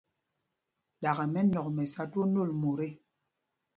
Ɗakɛ mɛnɔ̂k mɛ sá mot twóó nôl ê.